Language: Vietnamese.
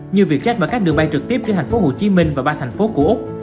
như việc check vào các đường bay trực tiếp giữa thành phố hồ chí minh và ba thành phố của úc